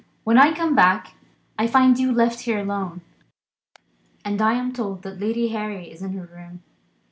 When I come back, I find you left here alone, and I am told that Lady Harry is in her room.